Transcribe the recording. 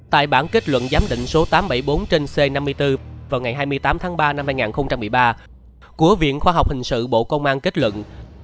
tại bản kết luận giám định số tám trăm bảy mươi bốn trên c năm mươi bốn vào ngày hai mươi tám tháng ba năm hai nghìn một mươi ba của viện khoa học hình sự bộ công an kết luận